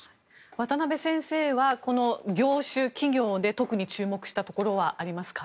渡邊先生はこの業種、企業で特に注目したところはありますか？